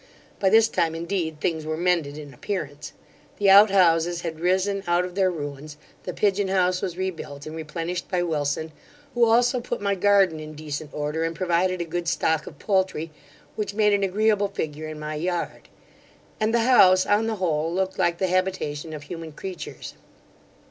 By this time indeed, things were mended in appearance The out houses had risen out of their ruins; the pigeon house was rebuilt, and replenished by Wilson, who also put my garden in decent order, and provided a good stock of poultry, which made an agreeable figure in my yard; and the house, on the whole, looked like the habitation of human creatures.